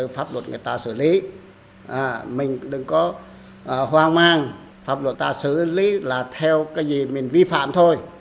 pháp luật ta xử lý là theo cái gì mình vi phạm thôi